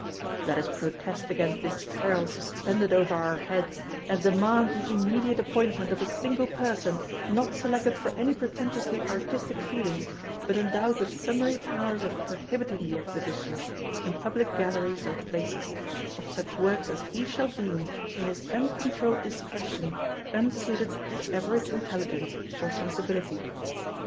Let us protest against this peril suspended over our heads, and demand the immediate appointment of a single person not selected for any pretentiously artistic feelings, but endowed with summary powers of prohibiting the exhibition, in public galleries or places, of such works as he shall deem, in his uncontrolled discretion, unsuited to average intelligence or sensibility.